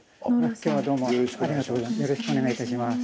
今日はありがとうございます。